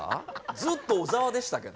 ずっと小沢でしたけど。